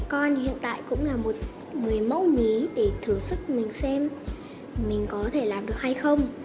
con thì hiện tại cũng là một người mẫu nhí để thử sức mình xem mình có thể làm được hay không